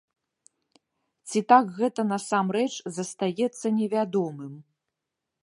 Ці так гэта насамрэч застаецца невядомым.